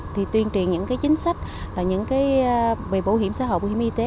thì tuyên truyền những cái chính sách là những cái về bảo hiểm xã hội bảo hiểm y tế